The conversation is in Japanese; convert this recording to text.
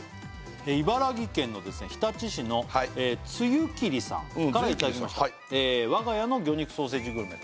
茨城県の日立市のつゆきりさんからいただきました我が家の魚肉ソーセージグルメ